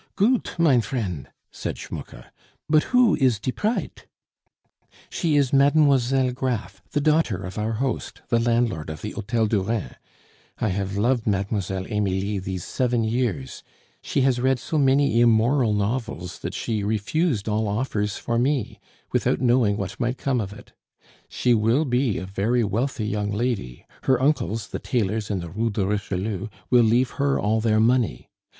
"Goot, mine friend," said Schmucke. "But who is die prite?" "She is Mlle. Graff, the daughter of our host, the landlord of the Hotel du Rhin. I have loved Mlle. Emilie these seven years; she has read so many immoral novels, that she refused all offers for me, without knowing what might come of it. She will be a very wealthy young lady; her uncles, the tailors in the Rue de Richelieu, will leave her all their money.